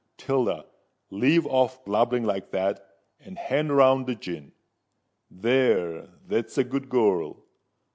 Tilda, leave off blubbering like that—and hand round the gin. There—that's a good girl.